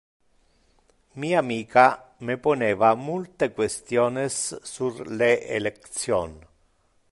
Mi amica me poneva multe questiones sur le election.